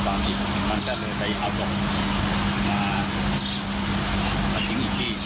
ตัวร้ายขึ้นไปก็อยากจะให้มันพร้อมตราสมมากทั้งมันอาร์ม